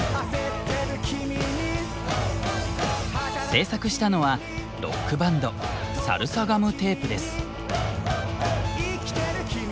制作したのはロックバンドサルサガムテープです。